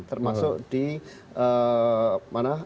termasuk di mana